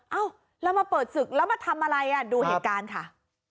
เอ้าแล้วมาเปิดศึกแล้วมาทำอะไรอ่ะดูเหตุการณ์ค่ะ